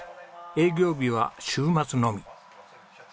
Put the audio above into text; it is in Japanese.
営業日は週末のみ。